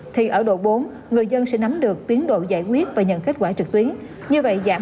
thì ở độ bốn người dân sẽ nắm được tiến độ giải quyết và nhận kết quả trực tuyến như vậy giảm